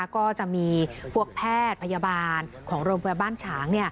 ก็จะมีพวกแพทย์พยาบาลของโรงพยาบาลบ้านฉาง